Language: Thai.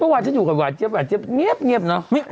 เมื่อวานฉันอยู่กับความเกลียดเกลียดเงี๊ยบเนาะ